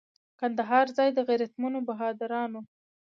کندهار ځای د غیرتمنو بهادرانو.